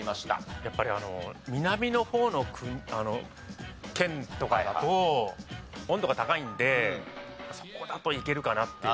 やっぱり南の方の県とかだと温度が高いんでそこだといけるかなっていう。